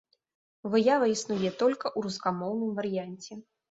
Выява існуе толькі ў рускамоўным варыянце.